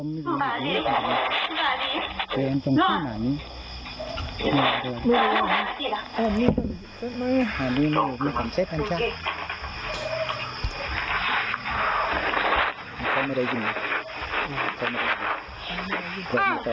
คุณสุดสกูลอันนี้มันเซ็นเซอร์หนามากจริง